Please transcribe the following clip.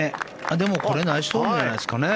でも、これはナイスオンじゃないですかね。